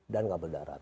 dan kabel darat